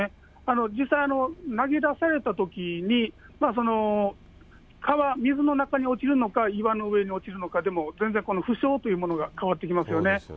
実際、投げ出されたときに、川、水の中に落ちるのか、岩の上に落ちるのかでも、全然負傷というものが変わってきますよね。